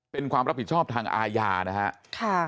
เป็นความรับผิดชอบทางอาญานะครับ